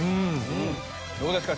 どうですか？